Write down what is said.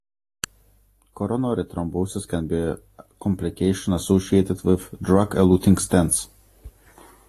Coronary thrombosis can be a complication associated with drug-eluting stents.